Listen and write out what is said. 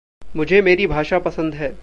मुझे मेरी भाषा पसंद है।